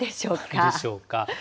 あるでしょうか。